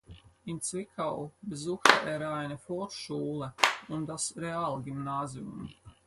In Zwickau besuchte er eine Vorschule und das Realgymnasium.